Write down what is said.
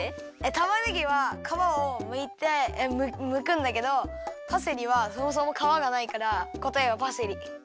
たまねぎはかわをむいてむくんだけどパセリはそもそもかわがないからこたえはパセリ。